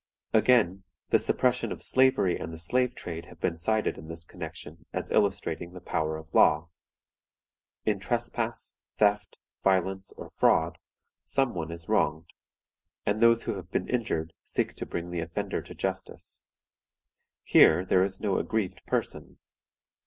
"Again: the suppression of slavery and the slave trade have been cited in this connection as illustrating the power of law. In trespass, theft, violence, or fraud, some one is wronged; and those who have been injured seek to bring the offender to justice. Here there is no aggrieved person.